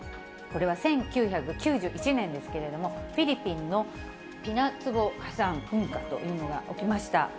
これは１９９１年ですけれども、フィリピンのピナツボ火山噴火というのが起きました。